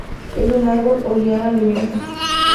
Es un árbol o liana leñosa.